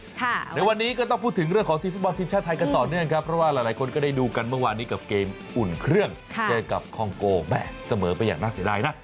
ในวันนี้ก็ต้องพูดถึงเรื่องของทีมฟุตบอลทีมชาติไทยกันต่อเนื่องครับเพราะว่าหลายคนก็ได้ดูกันเมื่อวานนี้กับเกมอุ่นเครื่องเจอกับคองโกแม่เสมอไปอย่างน่าเสียดายนะ